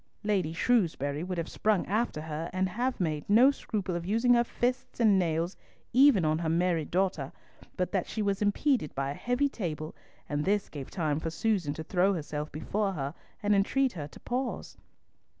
Lady Shrewsbury would have sprung after her, and have made no scruple of using her fists and nails even on her married daughter, but that she was impeded by a heavy table, and this gave time for Susan to throw herself before her, and entreat her to pause.